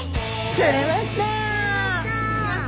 釣れました。